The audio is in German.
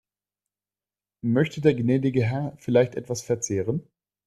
Möchte der gnädige Herr vielleicht etwas verzehren?